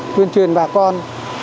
tuyên truyền bà con